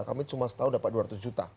kami cuma setahun dapat dua ratus juta